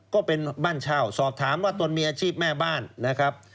ก็เป็นบ้านเช่าสอบถามว่าตนมีอาชีพแม่บ้านนะครับ